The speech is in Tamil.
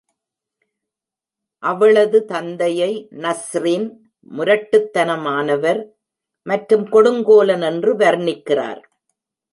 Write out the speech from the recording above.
அவளது தந்தையை நஸ்ரின் முரட்டுத்தனமானவர் மற்றும் கொடுங்கோலன் என்று வர்ணிக்கிறார்.